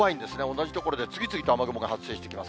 同じ所で次々と雨雲が発生してきます。